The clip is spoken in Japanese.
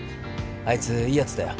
あいついいやつだよ